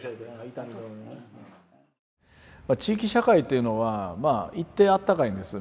地域社会というのはまあ一定あったかいんです。